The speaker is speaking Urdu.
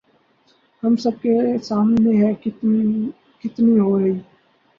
ہم سب کے سامنے ہے کتنی ہو رہی